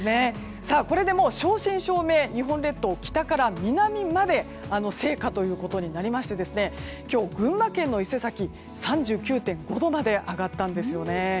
これでもう正真正銘日本列島は北から南まで盛夏となりまして今日、群馬県の伊勢崎は３９．５度まで上がったんですよね。